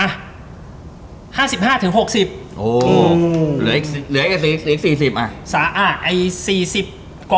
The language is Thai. เหลืออีก๔๐